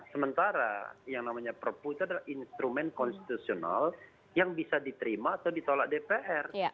sementara yang namanya perpu itu adalah instrumen konstitusional yang bisa diterima atau ditolak dpr